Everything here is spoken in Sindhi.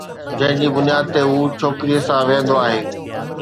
جنهن جي بنياد تي هو ڇوڪريءَ سان ويهندو آهي